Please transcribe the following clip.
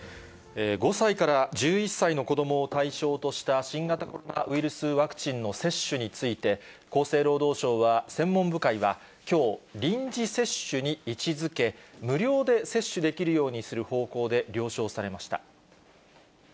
５歳から１１歳の子どもを対象とした新型コロナウイルスワクチンの接種について、厚生労働省の専門部会は、きょう、臨時接種に位置づけ、無料で接種できるようにする方向で了承されました。